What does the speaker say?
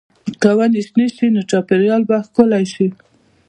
که ونې شنې شي، نو چاپېریال به ښکلی شي.